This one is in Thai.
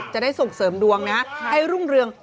จะได้ส่งเสริมดวงนะให้รุ่งเรือง